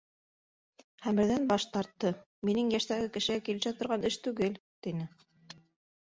Хәмерҙән баш тартты: «Минең йәштәге кешегә килешә торған эш түгел», - тине.